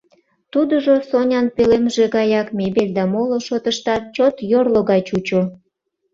Тудыжо Сонян пӧлемже гаяк, мебель да моло шотыштат чот йорло гай чучо.